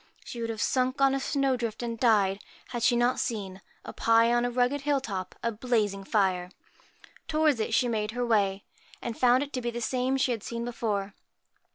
She would have sunk on a snow drift and died, had she not seen, up high on a rugged hill top, a blazing fire. Towards it she made her way, and found it to be the same she had seen before.